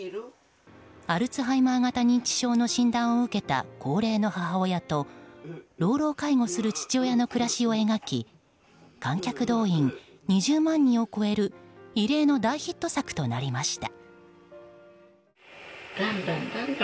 アルツハイマー型認知症の診断を受けた高齢の母親と老老介護する父親の暮らしを描き観客動員２０万人を超える異例の大ヒット作となりました。